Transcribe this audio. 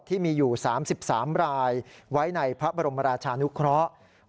ที่มีอยู่๓๓รายไว้ในพระบรมราชานุเคราะห์